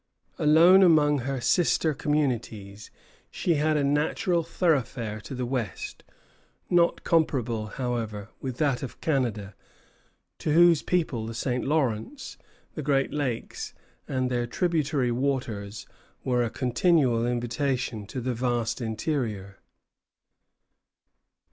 Alone among her sister communities she had a natural thoroughfare to the West, not comparable, however, with that of Canada, to whose people the St. Lawrence, the Great Lakes, and their tributary waters were a continual invitation to the vast interior.